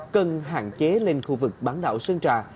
cần hạn chế lên khu vực bán đảo sơn trà